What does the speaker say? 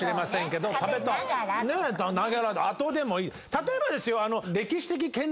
例えばですよ。